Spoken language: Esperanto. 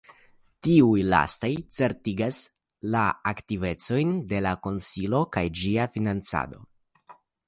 Tiuj lastaj certigas la aktivecojn de la konsilo kaj ĝia financado.